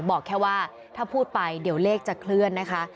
บอกแค่ว่าถ้าพูดไปเดี๋ยวเลขจะเคลื่อนนะคะ